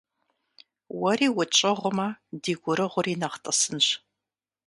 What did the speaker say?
Уэри утщӀыгъумэ, ди гурыгъури нэхъ тӀысынщ.